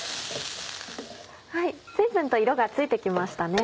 随分と色がついて来ましたね。